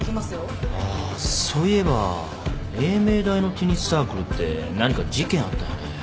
あそういえば栄明大のテニスサークルって何か事件あったよね。